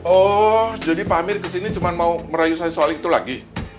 oh jadi pak amir kesini cuma mau merayu saya soal itu lagi